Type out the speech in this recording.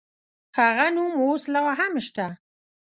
هغه نوم اوس لا هم شته.